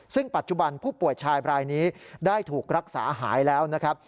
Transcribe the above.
ซึ่งปัจจุบันผู้ป่วยชายบรายนี้ได้ถูกรักษาหายแล้วนะครับ